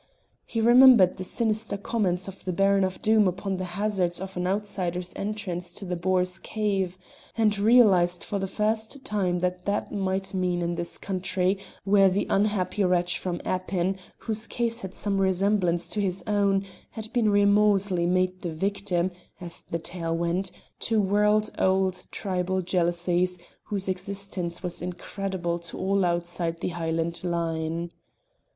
He remembered the sinister comments of the Baron of Doom upon the hazards of an outsider's entrance to the boar's cave, and realised for the first time what that might mean in this country, where the unhappy wretch from Appin, whose case had some resemblance to his own, had been remorselessly made the victim (as the tale went) to world old tribal jealousies whose existence was incredible to all outside the Highland line.